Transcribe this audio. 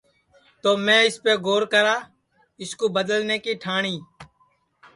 تو میں اِسپے گور کرا اِس کُو بدلنے کی ٹھاٹؔی